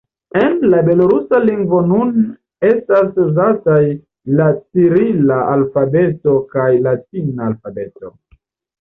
En la belorusa lingvo nun estas uzataj la cirila alfabeto kaj latina alfabeto.